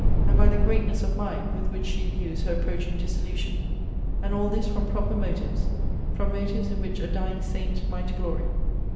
and by the greatness of mind with which she views her approaching dissolution. And all this from proper motives; from motives in which a dying saint might glory.